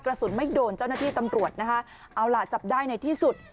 กระสุนไม่โดนเจ้าหน้าที่ตำรวจนะคะเอาล่ะจับได้ในที่สุด